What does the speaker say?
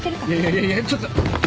いやいやちょっと！